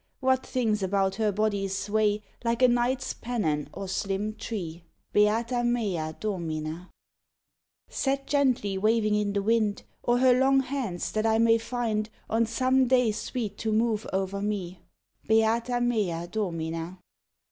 What things about her body's sway, Like a knight's pennon or slim tree Beata mea Domina! Set gently waving in the wind; Or her long hands that I may find On some day sweet to move o'er me? _Beata mea Domina!